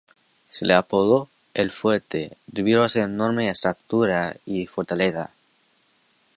Se le apodó "el Fuerte" debido a su enorme estatura y fortaleza.